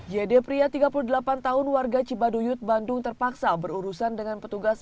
yd pria tiga puluh delapan tahun warga cibaduyut bandung terpaksa berurusan dengan petugas